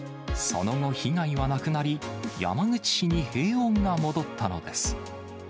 その後、被害はなくなり、山口市に平穏が戻ったのです。